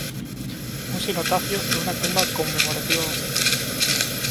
Un cenotafio es una tumba conmemorativa vacía.